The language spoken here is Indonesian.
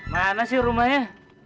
mana sih rumahnya